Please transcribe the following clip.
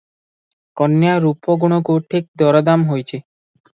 କନ୍ୟା ରୂପ ଗୁଣକୁ ଠିକ୍ ଦରଦାମ ହୋଇଛି ।